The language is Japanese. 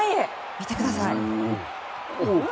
見てください。